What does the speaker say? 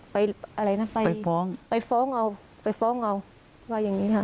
ไปฟ้องเอาว่าอย่างนี้ค่ะ